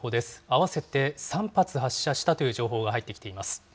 合わせて３発発射したという情報が入ってきています。